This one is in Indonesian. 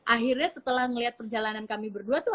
akhirnya setelah melihat perjalanan kami berdua tuh